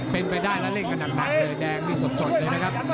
เป็นไปได้แล้วเล่นกันหนักเลยแดงนี่สดเลยนะครับ